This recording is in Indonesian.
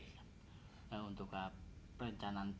ya untuk perencanaan